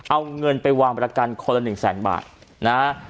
เอาเงินไปวางประการคนละ๑แสนบาทนะฮะ